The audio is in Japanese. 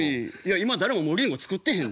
今誰ももうリンゴ作ってへんよ。